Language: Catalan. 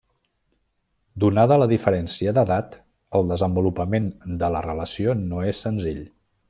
Donada la diferència d'edat, el desenvolupament de la relació no és senzill.